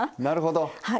なるほど。